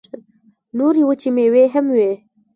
نورې وچې مېوې هم وې.